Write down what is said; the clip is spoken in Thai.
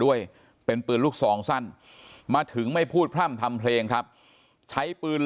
ด้วยเป็นปืนลูกซองสั้นมาถึงไม่พูดพร่ำทำเพลงครับใช้ปืน